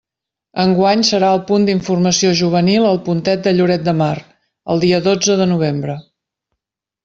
Enguany serà al Punt d'Informació Juvenil El Puntet de Lloret de Mar, el dia dotze de novembre.